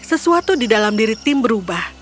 sesuatu di dalam diri tim berubah